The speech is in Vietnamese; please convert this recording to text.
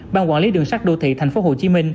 bang quản lý đường sắt đô thị tp hcm